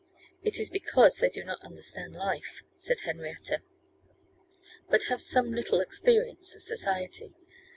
'It is because they do not understand life,' said Henrietta, 'but have some little experience of society.